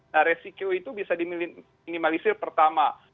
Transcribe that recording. nah resiko itu bisa diminimalisir pertama